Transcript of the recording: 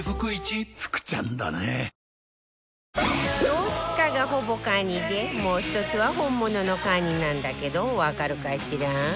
どっちかがほぼカニでもう１つは本物のカニなんだけどわかるかしら？